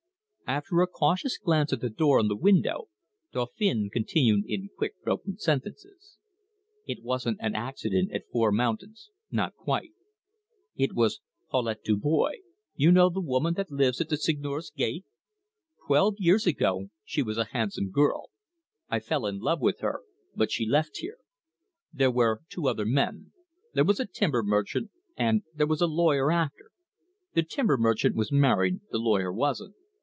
After a cautious glance at the door and the window, Dauphin continued in quick, broken sentences: "It wasn't an accident at Four Mountains not quite. It was Paulette Dubois you know the woman that lives at the Seigneur's gate? Twelve years ago she was a handsome girl. I fell in love with her, but she left here. There were two other men. There was a timber merchant, and there was a lawyer after. The timber merchant was married; the lawyer wasn't.